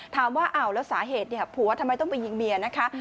ถามว่าแล้วสาเหตุผัวทำไมต้องไปยิงเมียนะคะ